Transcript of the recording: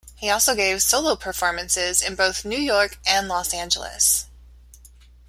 He also gave solo performances in both New York and Los Angeles.